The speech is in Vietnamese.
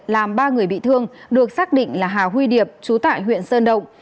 làm ba người bị thương được xác định là hà huy điệp chú tại huyện sơn động